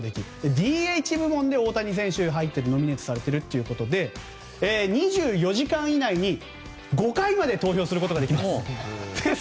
ＤＨ部門で大谷選手がノミネートされてるということで２４時間以内に５回まで投票することができます。